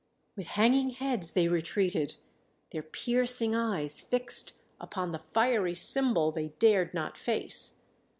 With hanging heads they retreated, their piercing eyes fixed upon the fiery symbol they dared not face.